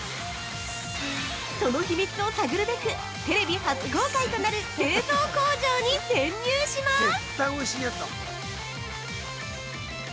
その秘密を探るべくテレビ初公開となる製造工場に潜入します！